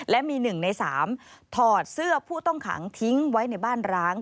และมี๑ใน๓ถอดเสื้อผู้ต้องขังทิ้งไว้ในบ้านร้าง